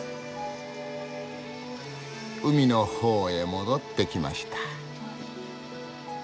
海のほうへ戻ってきました。